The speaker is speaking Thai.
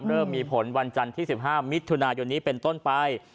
เริ่มมีผลวันจันทร์ที่๑๕มิถุนายนนี้เป็นต้นไป